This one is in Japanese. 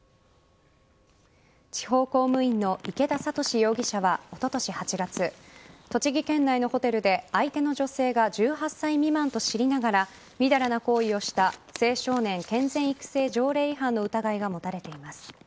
地方公務員の池田哲士容疑者はおととし８月栃木県内のホテルで相手の女性が１８歳未満と知りながらみだらな行為をした青少年健全育成条例違反の疑いが持たれています。